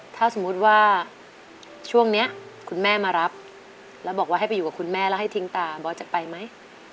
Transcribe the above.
ถ้าสมมุติว่าช่วงนี้คุณแม่มารับแล้วบอกว่าให้ไปอยู่กับคุณแม่แล้วให้ทิ้งตาบอสจะไปไหม